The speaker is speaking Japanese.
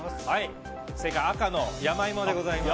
正解は赤の山芋でございます。